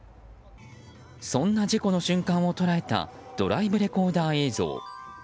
そんな事故の瞬間を捉えたドライブレコーダー映像。